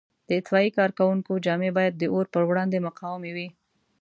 د اطفایې کارکوونکو جامې باید د اور په وړاندې مقاومې وي.